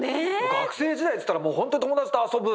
学生時代っていったらもう本当友達と遊ぶ。